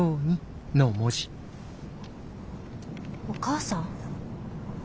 お母さん？